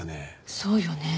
そうよね。